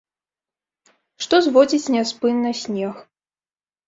Што зводзіць няспынна снег.